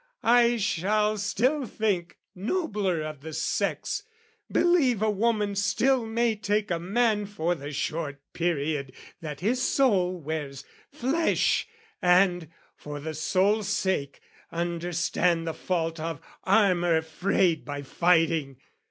I shall still think nobler of the sex, Believe a woman still may take a man For the short period that his soul wears flesh, And, for the soul's sake, understand the fault Of armour frayed by fighting.